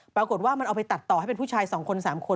ปรากฏว่ามันเอาไปตัดต่อให้เป็นผู้ชาย๒คน๓คน